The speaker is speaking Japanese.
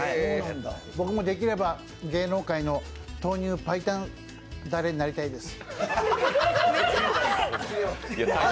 僕もできれば、芸能界の豆乳白湯ダレになりたいです。